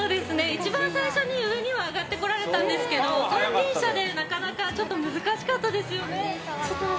一番最初に上には上がってこられたんですけど三輪車なかなか難しかったですね。